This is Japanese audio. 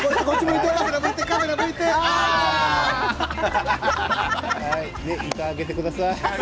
いかをあげてください。